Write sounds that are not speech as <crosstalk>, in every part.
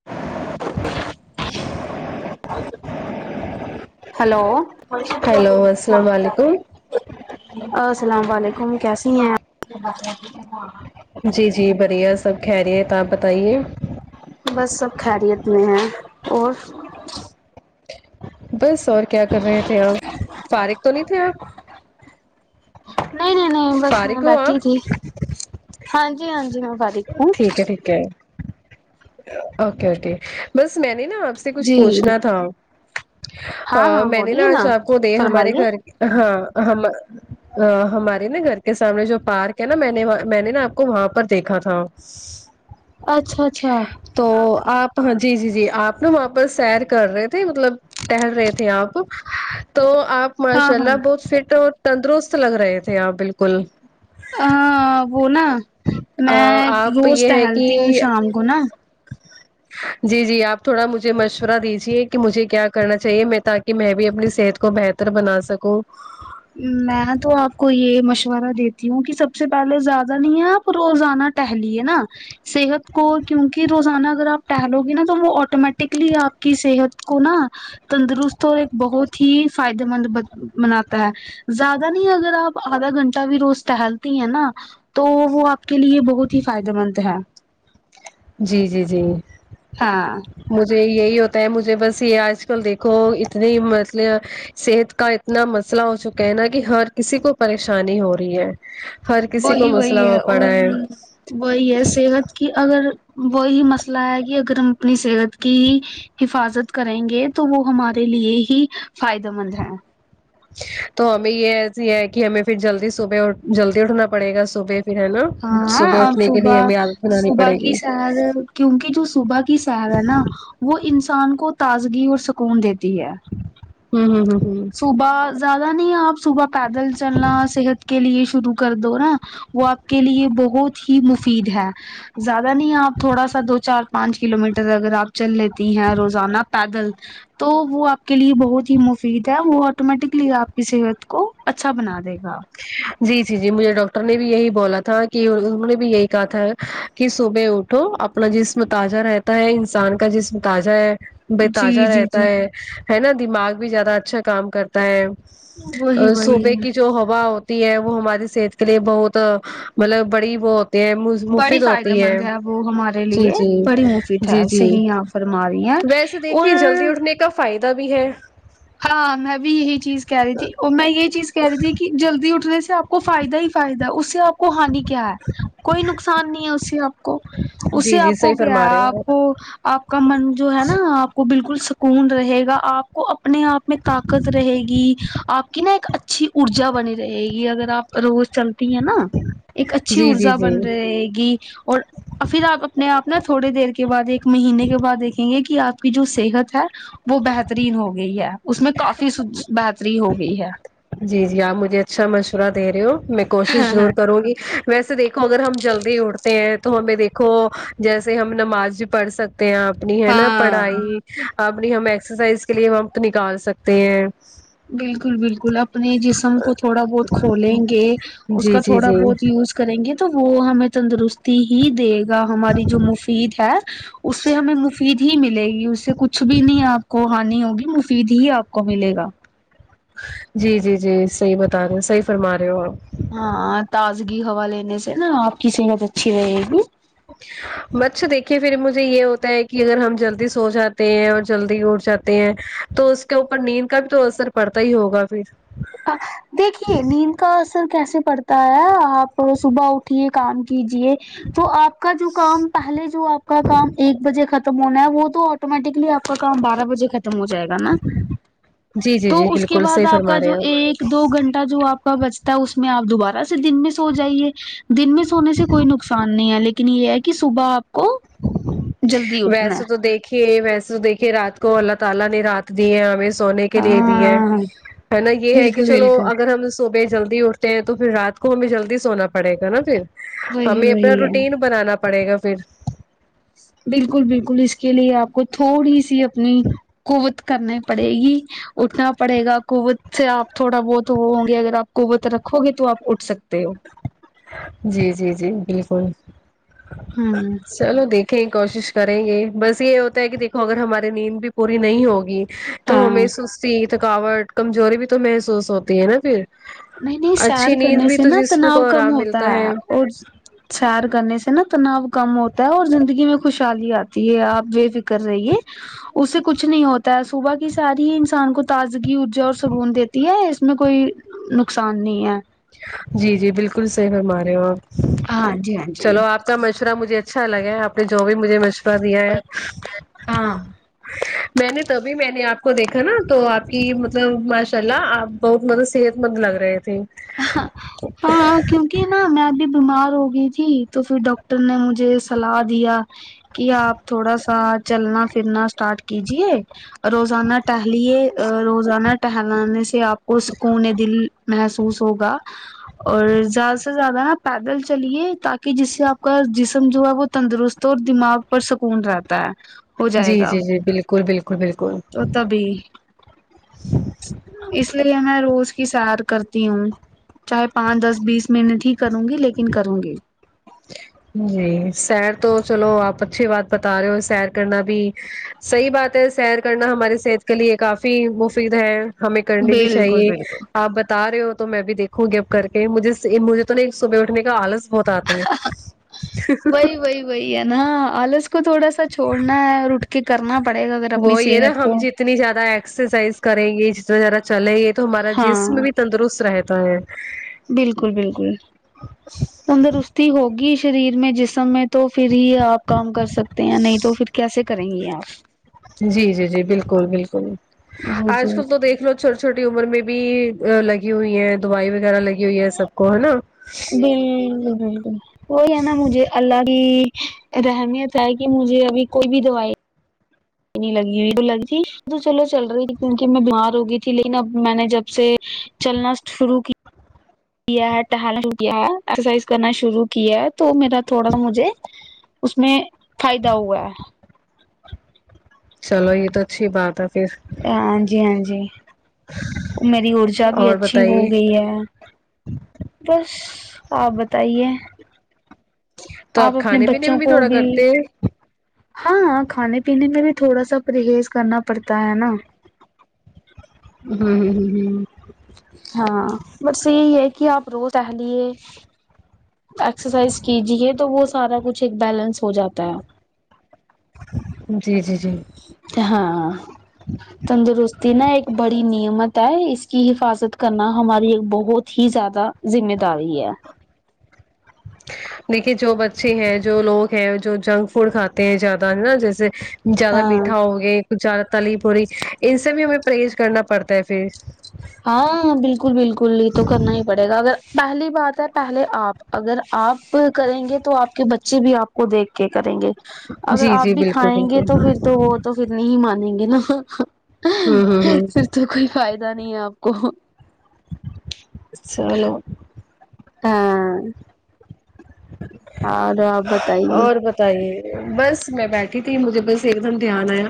<inaudible> hello hello السلام علیکم السلام علیکم کیسی ہیں جی جی بریا سب خیریت اپ بتائیے بس سب خیریت میں ہے اور بس اور کیا کر رہے تھے اپ فارغ تو نہیں تھے اپ نہیں نہیں نہیں بس میں فارغ ہو بیٹھی تھی آپ ہاں جی ہاں جی میں بیٹ ٹھیک ہے ٹھیک ہے اوکے اوکے بس میں نے نا اپ سے سے کچھ جی پوچھنا تھا ہاں ہاں میں نے بولیے نا ہ اج اپ کو دے ہمارے فرمائیے گھر ہاں ہم ہماری نا گھر کے سامنے جو پارک ہے نا میں نے میں نے نا اپ کو وہاں پر دیکھا تھا سا اچھا اچھا تو اپ ہاں جی جی جی اپ نا وہاں پر سیر کر رہے تھے مطلب ٹہل رہے تھے اپ تو تو اپ ہاں ماشاء اللہ بہت فٹ اور تندرست لگ رہے تھے اپ بالکل ہاں وہ نا میں آپ روز یہ ہے کہ ٹہلتی ہوں شام کو نا <inaudible> جی جی آپ تھوڑا مجھے مشورہ دیجیے کہ مجھے کیا کرنا چاہیے میں تاکہ میں بھی اپنی صحت کو بہتر تر بنا سکو میں تو اپ کو یہ مشورہ دیتی ہوں کہ سب سے پہلے زیادہ نہیں ہے اپ روزانہ ٹہلیے نا صحت کو کیونکہ روزانہ اگر اپ ٹہلو گے نا تو وہ اٹومیٹکلی اپ کی صحت کو نا تندرست اور ایک بہت ہی فائدے مند منات زیادہ نہیں اگر آپ آدھا گھنٹہ بھی روز ٹہلتی ہیں نا تو وہ آپ کے لیے بہت ہی فائدے مند ہے جی جی جی ہاں مجھے یہی ہوتا ہے مجھے بس یہ آج کل دیکھو اتنے مطلب صحت کا اتنا مسئلہ ہو چکا ہے نا کہ ہر کسی کو پریشانی ہو رہی ہے ہر کسی کو وہی مسئلہ وہی ہو اور پڑا ہے وہی ہے صحت کی اگر وہی مسئلہ ہے کہ اگر ہم اپنی صحت کی ہی حفاظت کریں گے تو وہ ہمارے لیے ہی فائدہ مند ہے تو ہمیں یہ ایسی ہے کہ ہمیں پھر جلدی صبح اٹھ جلدی اٹھنا پڑے گا صبح پھر ہے نا ہاں صبح اور اٹھنے کے لیے ہم صبح آد صبح کی سر کیونکہ جو صبح کی سہر ہے نا وہ انسان کو تازگی اور سکون دیتی ہے ہوں ہ ہ ہ صبح زیادہ نہیں آپ صبح پیدل چلنا صحت کے لیے شروع کر دو نا وہ آپ کے لیے بہت ہی مفید ہے زیادہ نہیں آپ تھوڑا سا دو چار پانچ کلو میٹر اگر آپ چل لیتی ہیں روزانہ پیدل تو وہ آپ کے لیے بہت ہی مفید ہے وہ آٹومیٹکلی آپ کی صحت کو اچھا بنا دے گا جی جی جی مجھے ڈاکٹر نے بھی یہی بولا تھا کہ انہوں نے بھی یہی کہا تھا کہ صبح اٹھو اپنا جسم تازہ رہتا ہے انسان کا جسم تا جہ ہے بے تازہ جی جی رہتا جی ہے نا دماغ بھی زیادہ اچھا کام کر تا ہے وہی وہی صوبے کی جو ہو وا ہوتی ہے وہ ہماری صحت کے لیے بہت مطلب بڑی وہ ہوتی ہے بڑی مفید فائدہ ہوتی ہیں مند ہے وہ ہمارے جی لیے جی بڑی مفید ہے جی جی صحیح آپ فرما رہی ہیں ویسے دیکھیے اور جلدی اٹھنے کا فائدہ بھی ہے ہاں میں بھی یہی چیز کہہ رہی تھی اور میں یہ چیز کہہ رہیے کہ جلدی اٹنے سے آپ کو فائدہ ہی فائدہ اس سے آپ کو ہانی کیا ہے کوئی نقصان نہیں ہے اس سے آ کو اس سے جی جی آپ صحیح کو کیا فرما ہے رہے ہو آپ کو آپ کا من جو ہے نا آپ کو بالکل سکون رہے گا آپ کو اپنے آپ میں طاقت رہے گی آپ کی نا ایک اچھی ارجا بنی رہے گی اگر آپ روز چلتی ہے نا ایک اچھی جی جی ارجا جی بن رہے گی اور اور پھر آپ اپنے آپ نا تھوڑی دیر کے بعد ایک مہینے کے بعد دیکھیں گے کہ آپ کی جو صحت ہے وہ بہترین ہو گئی ہے اس میں کافی س س بہتری ہو گئی ہے جی جی آپ مجھے اچھا مشورہ دے رہے ہو میں کوشش ضرور کروں گی ویسے دیکھو اگر ہم جلدی اٹھتے ہیں تو ہمیں دیکھو جیسے ہم نماز پڑھ سک سکتے ہیں اپنی ہے نا ہاں پڑھائی اپنی ہم ایکسرسائز کے لیے ہمپ نکال سکتے ہیں بالکل بالکل اپنے جسم کو تھوڑا بہت کھولیں گے اس جی کا جی تھوڑا جی بہت یوز کریں گے تو وہ ہمیں تندرستی ہی دے گ ہماری جو مفید ہے اس سے ہمیں مفید ہی ملے گی اس سے کچھ بھی نہیں آپ کو ہانی ہوگی مفید ہی آپ کو ملے گا جی جی جی صحیح بتا رہے صحیح فرما رہے ہو آپ ہاں تازگی ہوا لینے سے نا آپ کی صحت اچھی رہے گی <inaudible> مچھ دیکھیے پھر مجھے یہ ہوتا ہے کہ اگر ہم جلدی سو جاتے ہیں اور جلدی اٹ جاتے ہیں تو اس کے اوپر نیند کا بھی تو اثر پڑتا ہی ہوگا پھر دیکھیے نیند کا اثر کیسے پڑتا ہے آپ صبح اٹ ٹھیک ہے کام کیجیے وہ آپ کا جو کام پہلے جو آپ کا کام ایک بجے ختم ختم ہونا ہے وہ تو آٹومیٹکلی آ کا کام بارہ بجے ختم ہو جائے گا نا جی جی تو جی اس کے بالکل بعد صحیح آپ فرما کا رہے جو ہیں آپ ایک دو گھنٹہ جو آپ کا بچتا ہے اس میں آپ دوبارہ سے دن میں سو جائیے دن میں سونے سے کوئی نقصان نہیں ہے لیکن یے ہے کی صبح کو جلدی اٹھنا ویسے تو ہے دیکھ کھے ویسے تو دیھکے رات کو اللہ تعالی نے رات دی ہمیں سونے کے لیے دی ہاں ہے نا یے ہے کی بالکل چلو بالکل اگر ہم صبح جلدی اٹھتے ہیں تو پھر رات کو ہمیں جلدی سونا پڑے گا نا پھر وہی ہمیں اپنا وہی ہے روٹین بنانا پڑے گا پھر بالکل بالکل اس کے لیے آپ کو تھوڑی سی اپنی قوت کرنی پڑے گی اٹھنا پڑے گا قوت سے آپ تھوڑا بہت وہ ہوں گے اگر آپ قوت رکھو گے تو آپ اٹھ سکتے ہو جی جی جی بالکل ہمم چلو دیکھیں کوشش کریں گے بس یے ہوتا ہے کی دیکھو اگر ہماری نیند بھی پوری نہیں ہوگی تو ہاں ہمیں سستی تھکاوٹ کمزوری بھی تو محسوس ہوتی ہے نا پھر نہیں نہیں سیر اچھی نیند کرنے بھی سے تو نا جسم تناؤ کو کم آرام ہوتا ملتا ہے اور سیر کرنے سے نا تناؤ کم ہوتا ہے اور زندگی میں خوشحالی آتی ہے آپ بے فکر رہیے اس سے کچھ نہیں ہوت تا ہے صبح کی ساری ہی انسان کو تازگی ارجا اور سکون دیتی ہے اس میں کوئی نقصان نہیں ہے جی جی بالکل صحیح فرما رہے ہو آپ ہاں جی ہاں جی چلو آپ کا مشورہ مجھے اچھا لگا ہے آپ نے جو بھی مجھے مشورہ دیا ہے ہاں ہاں میں نے تبھی میں نے آپ کو دیکھا نا تو آپ کی مطلب ماشاء اللہ آپ بہت مطلب صحت مند لگ رہے تھے ہاں کیونکی نا میں ابھی بیمار ہوگئی تھی تو پھر ڈاکٹر نے مجھے صلاح دیا کی آپ تھوڑا سا چلنا پھرنا اسٹارٹ کیجیے روزانہ ٹہلیے روزانہ ٹہلانے سے آپ کو سکون دل محسو ہوگا اور زیادہ سے زیادہ نا پیدل چلیے تاکی جس سے آپ کا جسم جو ہے وہ تندرست تو اور دماغ پر سکون رہتا ہے ہو جی جائے گا جی جی بالکل بالکل بالکل تو تبھی اس لیے میں روز کی سیر کرتی ہوں چاہے پانچ دس بیس محنت ہی کروں گی لیکن کروں گی جی سیر تو چلو آپ اچھی بات بتا رہے ہو سیر کرنا بھی صحیح بات ہے سیر کرنا ہماری صحت کے لیے کافی مفید ہے ہمیں کرنی بھی بالکل چاہیے بالکل آپ بتا رہے ہو تو میں بھی دیکھ کھو گی اب کر کے مجھے مجھے تو نا صبح اٹھنے کا آلس بہت آتا ہے وہی وہی وہی ہے نا آلس کو تھوڑا سا چھڑنا ہے اور اٹھ کے کرنا پڑے گا اگر اپنی صحت کو اتنی زیادہ ایکسرسائز کریں گے جتنا زیادہ چلیں گے تو ہمارا ہاں جسم بھی تندرست رہتا ہے بالکل بالکل تندرستی ہوگی شریر میں جسم میں تو پھر ہی آپ کام کر سکتے ہیں نہیں تو پھر کیسے کریں گی آپ جی جی جی بالکل بالکل جی آج کل تو دیکھ لو چھوٹی چھوٹی عمر میں بھی لگی ہوئی ہے دوائی وغیرہ لگی ہوئی ہے سب کو ہے نا بالکل بالکل وہی ہے نا مجھے اللہ کی رحمیت ہے کی مجھے ابھی کوئی بھی دوائی نہیں لگی ہوئی تو لگی تھی تو چلو چل رہی تھی کیونکہ میں بیمار ہو گئی تھی لیکن اب میں نے جب سے چلنا شروع کیا کیا ہے ٹہلا شروع کیا ہے ایکسرسائز کرنا شروع کیا ہے تو میرا تھوڑا س مجھے اس میں فائدہ ہوا ہے چلو یہ تو اچھی بات ہے پھر ہاں جی ہاں جی میری ارجا بھی اور اچھی ہو بتائیے گئی ہے بس آپ بتائیے تو آپ اپنے کھانے پینے بچوں میں کو تھوڑا بھی کرتے ہیں ہاں ہاں کھانے پینے میں بھی تھوڑا سا پرہیز کرنا پڑتا ہے نا ہا ہا ہا ہا ہاں بسس یہی ہے کہ آپ روز ٹہلیے ایکسرسائز کیجیے تو وہ سارا کچھ ایک بیلنس ہو جاتا ہے جی جی جی ہاں تندرستی نا ایک بڑی نعمت ہے اس کی حفاظت کرنا ہماری ایک بہت ہی زیادہ ذمہ داری ہے دیکھیے جو بچے ہیں جو لوگ ہیں جو جنگ فوڈ کھاتے ہیں زیادہ ہے نا جیسے زیادہ ہاں میٹھا ہو گیا کچھ زیادہ تلیف ہو رہی ان سے بھی ہمیں پرہیز کرنا پڑتا ہے پھر ہاں بالکل بالکل یہ تو کرنا ہی پڑے گا اگر پہلی بات ہے پہلے آپ اگر آپ کریں گے تو آپ کے بچے بھی آپ کو دیکھ کے کریں گے اگر جی آپ جی بھی بالکل کھائیں گے بالکل تو پھر تو وہ تو پھر نہیں مانیں گے نا ہوں ہوں ہوں پھر تو کوئی فائدہ نہیں ہے آپ کو چلو ہاں اں اور آپ بتائیے تہ یہ بس میں بیٹھی تھی مجھے بس ایک دم دھیان آیا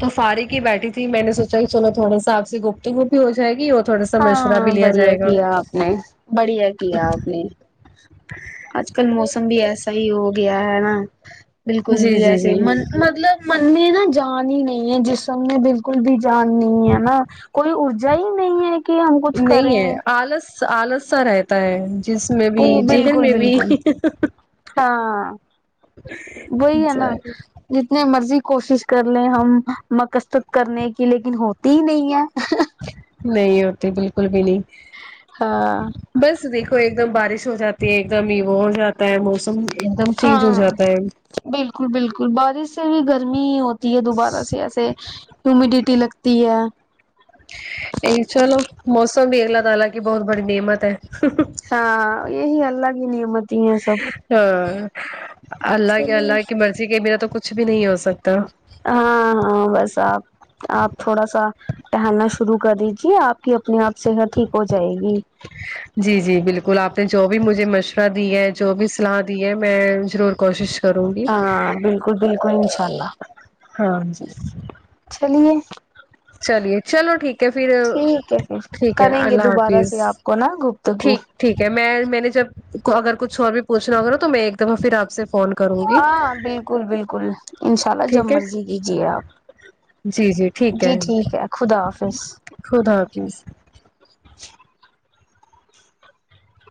تو فارق ہی بیٹھی تھی میں نے سونچا کہ چلو تھوڑا سا آپ سے گپت گوپ بھی ہو جائے گی اور تھوڑا سا مشورہ ہاں بھی لیا بڑھیا جائے گا کیا آپ نے بڑھیا کیا آپ نے آج کل موسم بھی ایسا ہی ہو گیا ہے نا بالکل جی بھی جی ایسے جی من مطلب من نے نہا جان ہی نہیں ہے جسم نے میں بالکل بھی جان نہیں ہے نا کوئی ارجا ہی نہیں ہے کہ ہم کچھ نہیں کریں ہے آلس سو آلس سا رہتا ہے جس میں بھی تو ذہن بالکل میں بھی بالکل ہاں وہی ہے نا جتنے مرضی کوشش کر لیں ہم مقستط کرنے کی لیکن ہو تھی نہیں ہے نہیں ہوتی بالکل بھی نہیں ہاں بس دیکھو ایک دم بارش ہو جاتی ہے ایک دم ہی وہ ہو جاتا ہے موسم ایک دم چینج ہو ہاں جاتا بالکل بالکل بارش سے بھی گرمی ہی ہوتی جی یہ دوبارہ سے ایسے ہیومیڈیٹی لگتی ہے ایک چلو موسم بھی اگلا تھا حالاکہ بہت بڑی نعمت ہے ہاں یہ ہی اللہ ہی کی نعمت ہاں اللہ کے اللہ کی مرضی کے بنا تو کچھ بھی نہیں ہو سکتا ہاں ہاں بس آپ آپ تھوڑا سا ٹہلنا شروع کر دیجیے آپ کی اپنے آپ صحت ٹھیک ہو جائے گی جی جی بالکل آپ نے جو بھی مجھے مشورہ دی ہے جو بھی صلاح دی ہے میں ضرور کوشش کروں گی ہاں بالکل بالکل انشاء اللہ ہاں جی چلیے چلیے چلو ٹھیک ہے پھر ٹھیک ہے پھر ٹھیک ہے کریں گے اللہ دوبارہ حافظ سے آپ کو نا ٹھیک گپتگوپت ٹھیک ہے میں میں نے جب اگر کچھ اور بھی پوچھنا ہوگا تو میں ایک دفع پھر آپ سے فون کروں گی ہاں بالکل بالکل انشاء اللہ جب ٹھیک ہے مرضی کیجیے آپ جی ٹھیک ہے خدا حافظ خدا حافظ